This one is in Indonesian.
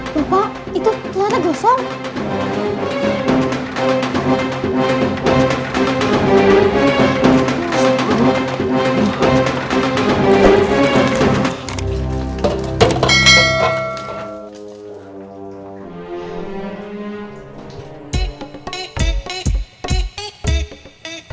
bapak itu keliatan gosong